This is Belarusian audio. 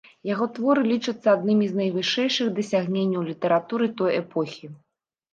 Яго творы лічацца адным з найвышэйшых дасягненняў літаратуры той эпохі.